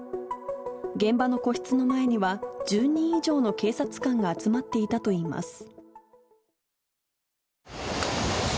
現場の個室の前には、１０人以上の警察官が集まっていたといいます。